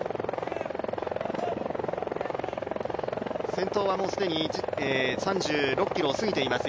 先頭は既に３６ｋｍを過ぎています。